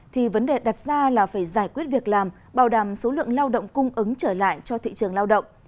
thì vấn đề đặt ra là phải giải quyết việc làm bảo đảm số lượng lao động cung ứng trở lại cho thị trường lao động